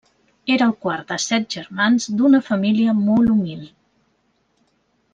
Era el quart de set germans d'una família molt humil.